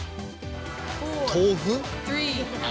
豆腐？